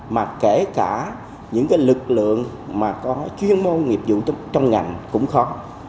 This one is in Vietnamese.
mà kể cả những cái lực lượng mà có chuyên môn nghiệp dụng trong ngành cũng khó